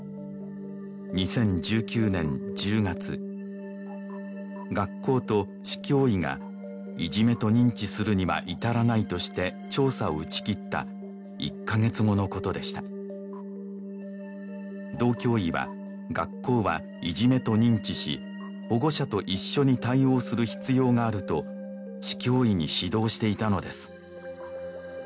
２０１９年１０月学校と市教委がいじめと認知するには至らないとして調査を打ち切った１カ月後のことでした道教委は学校はいじめと認知し保護者と一緒に対応する必要があると市教委に指導していたのです